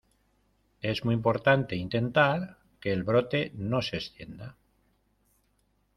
es muy importante intentar que el brote no se extienda.